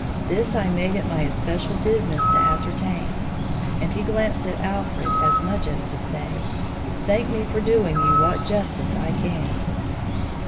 This I made it my especial business to ascertain." And he glanced at Alfred as much as to say, "Thank me for doing you what justice I can."